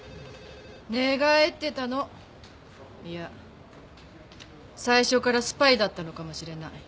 寝返ってたのいや最初からスパイだったのかもしれない